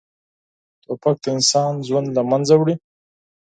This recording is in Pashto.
توپک د انسان ژوند له منځه وړي.